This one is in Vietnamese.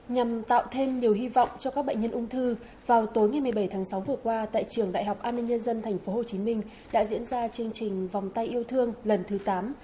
nhằm tạo thêm nhiều hy vọng cho các bệnh nhân ung thư vào tối ngày một mươi bảy tháng sáu vừa qua tại trường đại học an ninh nhân dân tp hcm